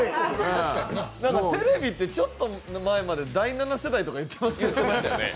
テレビってちょっと前まで第７世代とか言ってましたよね？